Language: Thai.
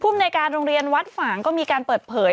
ในการโรงเรียนวัดฝางก็มีการเปิดเผย